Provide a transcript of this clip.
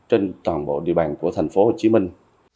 trên toàn bộ địa bàn của thành phố hồ chí minh